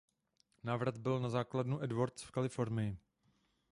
Návrat byl na základnu Edwards v Kalifornii.